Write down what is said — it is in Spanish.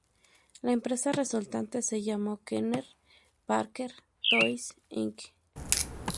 La empresa resultante se llamó "Kenner Parker Toys Inc.